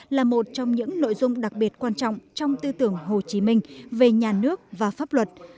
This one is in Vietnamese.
là một trong những nội dung đặc biệt quan trọng trong tư tưởng hồ chí minh về nhà nước và pháp luật